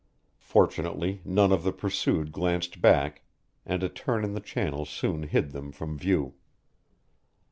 Fortunately none of the pursued glanced back, and a turn in the channel soon hid them from view.